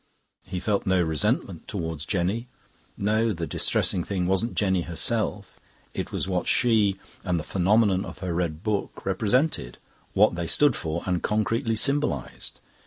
He felt no resentment towards Jenny. No, the distressing thing wasn't Jenny herself; it was what she and the phenomenon of her red book represented, what they stood for and concretely symbolised.